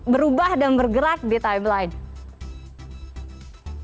berubah dan bergerak di timeline